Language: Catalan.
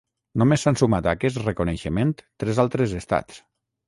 Només s'han sumat a aquest reconeixement tres altres estats: